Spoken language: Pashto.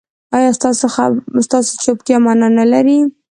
ایا ستاسو چوپتیا معنی نلري؟